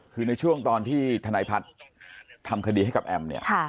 คือในช่วงตอนที่ธนายพัฒน์ทำคดีให้กับแอมเนี่ย